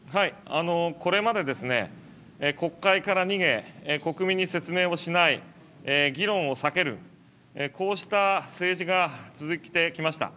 これまで、国会から逃げ、国民に説明をしない、議論を避ける、こうした政治が続いてきました。